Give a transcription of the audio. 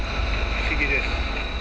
不思議です。